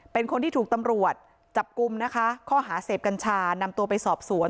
เป็นคนที่ถูกตำรวจจับกลุ่มนะคะข้อหาเสพกัญชานำตัวไปสอบสวน